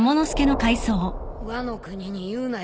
ワノ国に言うなよ